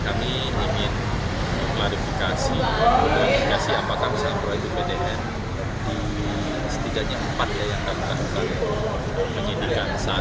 kami ingin memklarifikasi memklarifikasi apakah misalnya proyek ipdn di setidaknya empat yang kami akan menyindikan saat ini